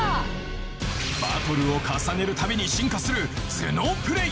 バトルを重ねるたびに進化する頭脳プレー。